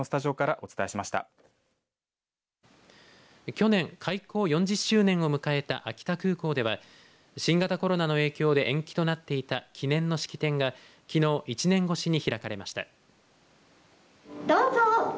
去年、開港４０周年を迎えた秋田空港では新型コロナの影響で延期となっていた記念の式典がきのう１年越しに開かれました。